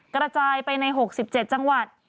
กระจายไปใน๖๗จังหวัด